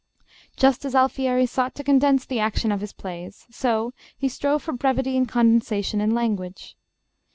Just as Alfieri sought to condense the action of his plays, so he strove for brevity and condensation in language.